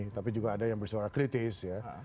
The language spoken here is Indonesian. tapi juga ada yang bersuara kritis ya